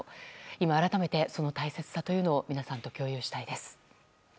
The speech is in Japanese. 今改めてその大切さというのを皆さんと共有したいです。